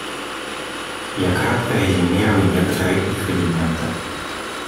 Я кратко резюмирую некоторые их элементы.